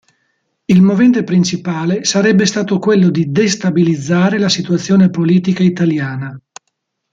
Il movente principale sarebbe stato quello di destabilizzare la situazione politica italiana.